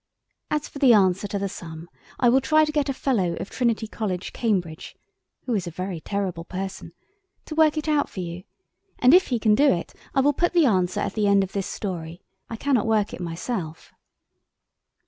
As for the answer to the sum, I will try to get a Fellow of Trinity College, Cambridge (who is a very terrible person), to work it out for you, and if he can do it I will put the answer at the end of this story. I cannot work it myself.